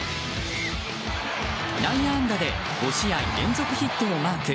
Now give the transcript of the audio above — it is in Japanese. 内野安打で５試合連続ヒットをマーク。